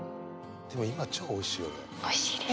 でも今超おいしいよね。